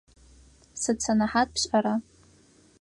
Сыд сэнэхьат пшӏэра?